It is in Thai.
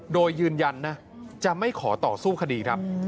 โดยยืนยันนะจะไม่ขอต่อสู้คดีครับ